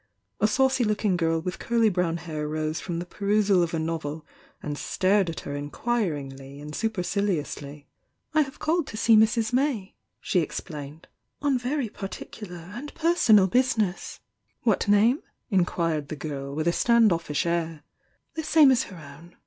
A saucy looking girl with curly brown hair rose from the perusal of a novel and stared at her inquiringly and superciliously. "I have called to see Mrs. May" — she explained "on very particular and personal business." "What name?" inquired the girl, with a stand offish air. "The same as her own.